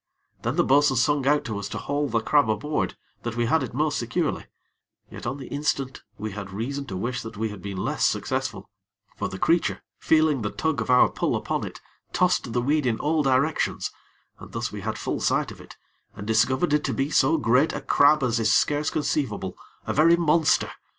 Then the bo'sun sung out to us to haul the crab aboard, that we had it most securely; yet on the instant we had reason to wish that we had been less successful; for the creature, feeling the tug of our pull upon it, tossed the weed in all directions, and thus we had full sight of it, and discovered it to be so great a crab as is scarce conceivable a very monster.